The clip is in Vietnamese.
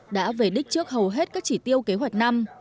đã về đích trước hầu hết các chỉ tiêu kế hoạch năm